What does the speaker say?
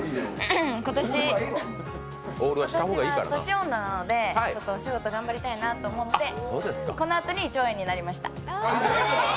今年、年女なのでちょっとお仕事頑張りたいなと思って、このあとに胃腸炎になりました。